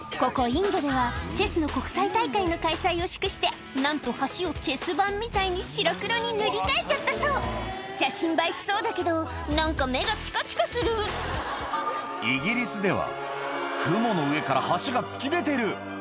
インドではチェスの国際大会の開催を祝してなんと橋をチェス盤みたいに白黒に塗り替えちゃったそう写真映えしそうだけど何か目がチカチカするイギリスでは雲の上から橋が突き出てる！